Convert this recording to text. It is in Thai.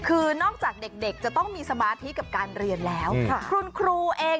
เออครองหน้าเลึดอยู่อ่าได้เวลาเรียนแล้วมายัง